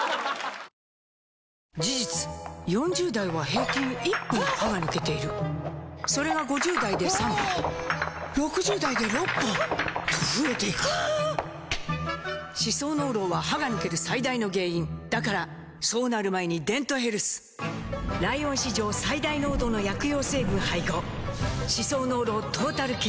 事実４０代は平均１本歯が抜けているそれが５０代で３本６０代で６本と増えていく歯槽膿漏は歯が抜ける最大の原因だからそうなる前に「デントヘルス」ライオン史上最大濃度の薬用成分配合歯槽膿漏トータルケア！